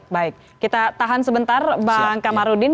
baik kita tahan sebentar bang kamarudin